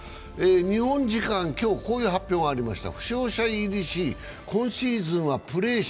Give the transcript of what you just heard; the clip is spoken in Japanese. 日本時間今日、こういう発表がありました。